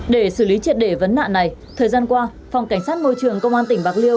để xử lý triệt để vấn nạn này thời gian qua phòng cảnh sát môi trường công an tỉnh bạc liêu